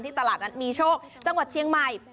ตลาดนัดมีโชคจังหวัดเชียงใหม่